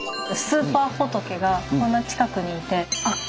スーパー仏がこんな近くにいて圧巻！って感じ。